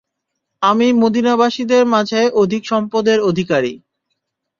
আমি মদীনাবাসীদের মাঝে অধিক সম্পদের অধিকারী।